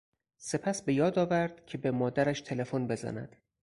سپس به یاد آورد که به مادرش تلفن بزند.